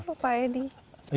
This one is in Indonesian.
kenapa tidak dari dulu pak edi